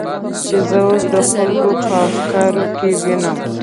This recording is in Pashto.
چې زه اوس د خلکو په افکارو کې وینم.